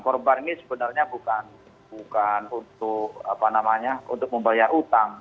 korban ini sebenarnya bukan untuk membayar utang